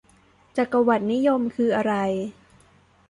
จักรวรรดินิยมคืออะไร ?